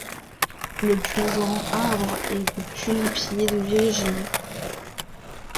Le plus grand arbre est le tulipier de Virginie.